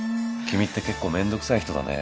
君って結構めんどくさい人だね。